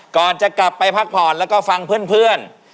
ก่อนจะกลับไปพักผ่อนแล้วก็ฟังเพื่อน